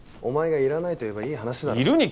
おまえがいらないと言えばいい話だろ。